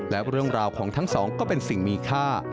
และเรื่องราวของทั้งสองก็เป็นสิ่งมีค่า